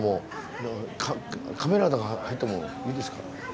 カメラとか入ってもいいですか？